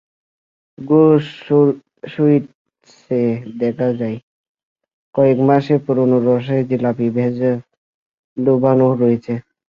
ঘোষ সুইটসে দেখা যায়, কয়েক মাসের পুরোনো রসে জিলাপি ভেজে ডুবানো রয়েছে।